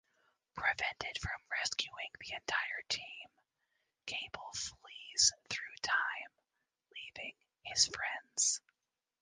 Prevented from rescuing the entire team, Cable flees through time, leaving his friends.